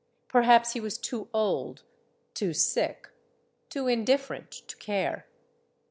Per haps he was too old, too sick, too indifferent to care.